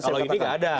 kalau ini tidak ada